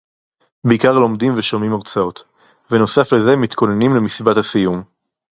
בְּעָקָר לוֹמְדִים וְשוֹמְעִים הַרְצָאוֹת, וְנוֹסָף לְזֶה מִתְכּוֹנְנִים לִמְסִיבַּת הַסִיוּם.